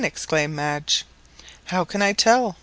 exclaimed Madge. "How can I tell?"